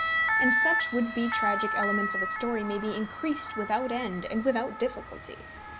And such would be tragic elements of a story may be increased without end, and without difficulty.